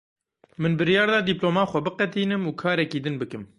Min biryar da dîploma xwe biqetînim û karekî din bikim.